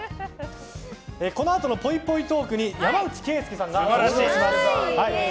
このあとのぽいぽいトークに山内惠介さんが登場します。